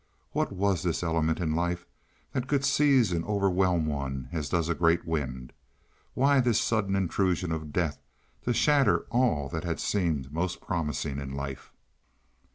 What was this element in life that could seize and overwhelm one as does a great wind? Why this sudden intrusion of death to shatter all that had seemed most promising in life?